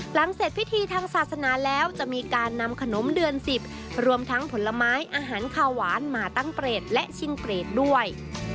หลังเสร็จพิธีทางศาสนาแล้วจะมีการนำขนมเดือน๑๐รวมทั้งผลไม้อาหารขาวหวานมาตั้งเปรตและชิงเกรดด้วย